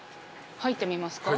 入ってみますか？